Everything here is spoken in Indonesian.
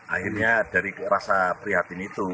akhirnya dari rasa prihatin itu